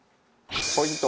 ポイント。